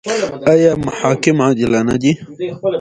آیا محاکم عادلانه دي؟